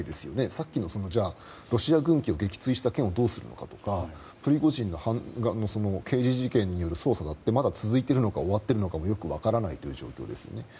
さっきの、ロシア軍機を撃墜した件はどうするのかとかプリゴジンの反乱が刑事事件による捜査だって続いているのか終わっているのかよく分からない状況ですよね。